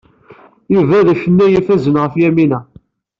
Yuba d acennay ifazen ɣef Yamina.